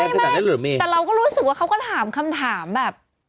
แต่เราก็รู้สึกว่าเขาก็ถามคำถามแบบ